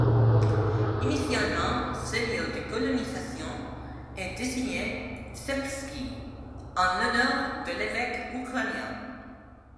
Initialement, ce lieu de colonisation est désigné Szeptyki en l'honneur de l'évêque ukrainien.